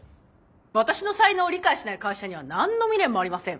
私の才能を理解しない会社には何の未練もありません。